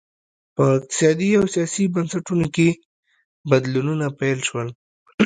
په اقتصادي او سیاسي بنسټونو کې بدلونونه پیل شول